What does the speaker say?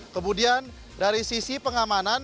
kemudian dari sisi pengamanan